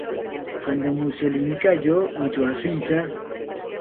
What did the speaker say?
Cuando Mussolini cayó, huyó a Suiza.